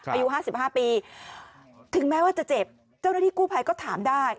อายุ๕๕ปีถึงแม้ว่าจะเจ็บเจ้าหน้าที่กู้ภัยก็ถามได้